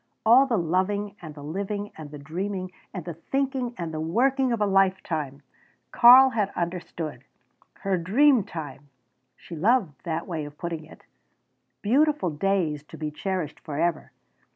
All the loving and the living and the dreaming and the thinking and the working of a lifetime! Karl had understood. Her dream time! She loved that way of putting it. Beautiful days to be cherished forever!